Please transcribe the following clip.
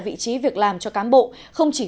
vị trí việc làm cho cán bộ không chỉ